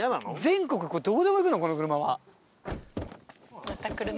全国どこでも行くのこの車は。